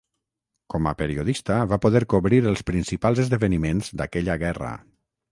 Com a periodista va poder cobrir els principals esdeveniments d'aquella guerra.